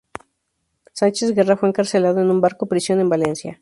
Sánchez Guerra fue encarcelado en un barco-prisión en Valencia.